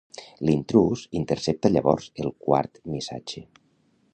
L'intrús intercepta llavors el quart missatge.